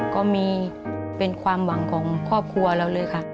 ก็มีเป็นความหวังของครอบครัวเราเลยค่ะ